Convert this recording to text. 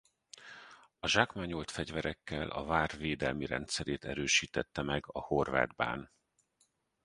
A zsákmányolt fegyverekkel a vár védelmi rendszerét erősítette meg a horvát bán.